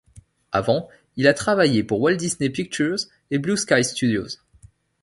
Avant il a travaillé pour Walt Disney Pictures et Blue Sky Studios.